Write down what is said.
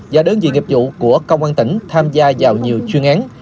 và đơn vị nghiệp vụ của công an tỉnh tham gia vào nhiều chuyên án